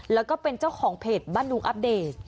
แล้วก็เป็นเจ้าของเพจบ้านดุงอัปเดต